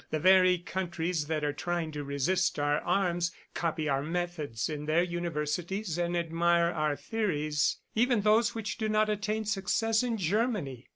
The very countries that are trying to resist our arms copy our methods in their universities and admire our theories, even those which do not attain success in Germany.